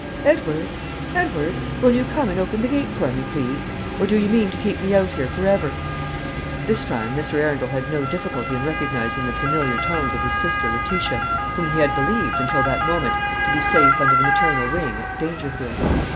"Edward! Edward! Will you come and open the gate for me, please? Or do you mean to keep me out here for ever?" This time Mr. Arundel had no difficulty in recognising the familiar tones of his sister Letitia, whom he had believed, until that moment, to be safe under the maternal wing at Dangerfield.